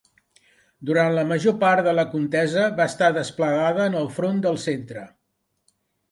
Durant la major part de la contesa va estar desplegada en el front del Centre.